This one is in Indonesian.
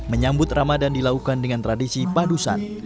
menyambut ramadan dilakukan dengan tradisi padusan